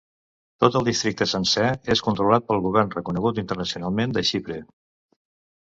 Tot el districte sencer és controlat pel govern reconegut internacionalment de Xipre.